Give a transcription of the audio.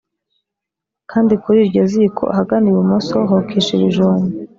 kandi kuri iryo ziko ahagana ibumoso hokeje ibijumba